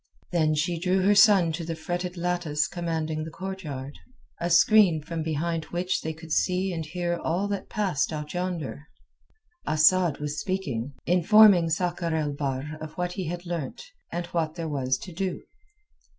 Then she drew her son to the fretted lattice commanding the courtyard, a screen from behind which they could see and hear all that passed out yonder. Asad was speaking, informing Sakr el Bahr of what he had learnt, and what there was to do.